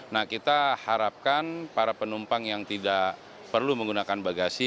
nah kita harapkan para penumpang yang tidak perlu menggunakan bagasi